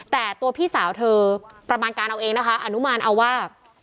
แต่ตัวพี่สาวเธอประมาณการเอาเองนะคะอนุมานเอาว่า